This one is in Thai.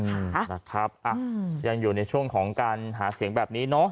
อืมนะครับอ่ะยังอยู่ในช่วงของการหาเสียงแบบนี้เนอะ